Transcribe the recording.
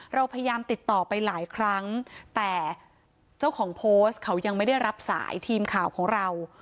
เราพยายามติดต่อไปหลายครั้งแต่เจ้าของโพสต์เขายังไม่ได้รับสายทีมข่าวของเรา